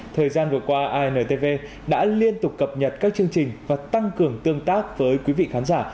thời gian vừa qua intv đã liên tục cập nhật các chương trình và tăng cường tương tác với quý vị khán giả